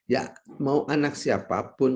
ya mau anak siapapun